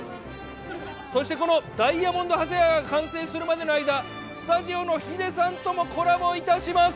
そしてこのダイヤモンド長谷川が完成するまでの間、スタジオのヒデさんともコラボいたします。